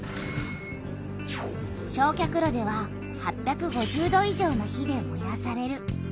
焼却炉では８５０度以上の火でもやされる。